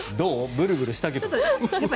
ブルブルしたけどって。